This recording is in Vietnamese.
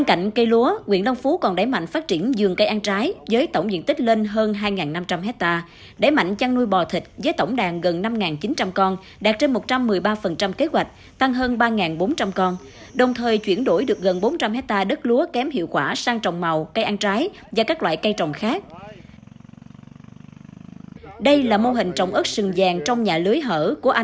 các bạn hãy đăng ký kênh để ủng hộ kênh của chúng mình nhé